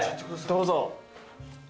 どうぞ。